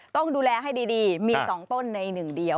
ต้องดูแลให้ดีมี๒ต้นในหนึ่งเดียว